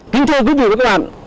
kính chào quý vị và các bạn